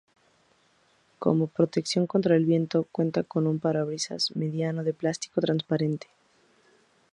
Como protección contra el viento cuenta con un parabrisas mediano de plástico transparente.